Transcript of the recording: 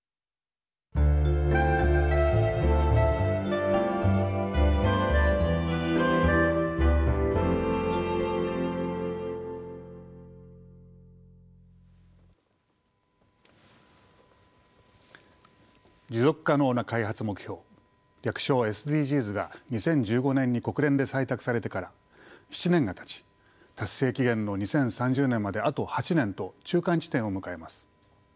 持続可能な開発目標略称ＳＤＧｓが２０１５年に国連で採択されてから７年がたち達成期限の２０３０年まであと８年と中間地点を迎えます。